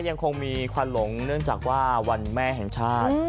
ยังคงมีควันหลงเนื่องจากว่าวันแม่แห่งชาติ